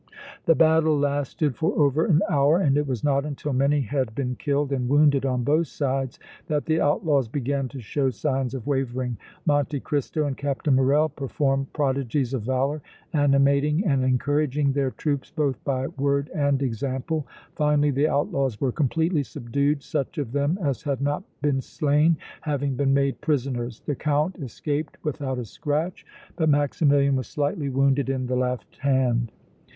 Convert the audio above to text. The battle lasted for over an hour and it was not until many had been killed and wounded on both sides that the outlaws began to show signs of wavering. Monte Cristo and Captain Morrel performed prodigies of valor, animating and encouraging their troops both by word and example. Finally the outlaws were completely subdued, such of them as had not been slain having been made prisoners. The Count escaped without a scratch, but Maximilian was slightly wounded in the left hand.